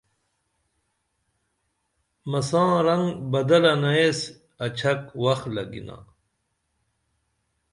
مسا رنگ بدلنہ ایس اڇھک وخ لگِنا